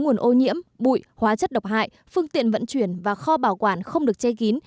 nguồn ô nhiễm bụi hóa chất độc hại phương tiện vận chuyển và kho bảo quản không được che kín